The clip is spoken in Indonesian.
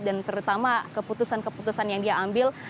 dan terutama keputusan keputusan yang diambil